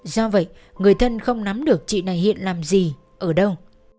do vậy người thân không nắm được chị này hiện làm gì ở đâu